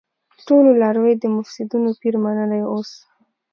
ټولو لاروی د مفسيدينو پير منلی اوس